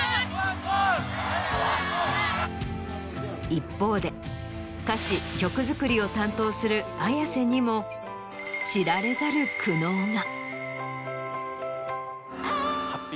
一方で歌詞曲作りを担当するＡｙａｓｅにも知られざる苦悩が。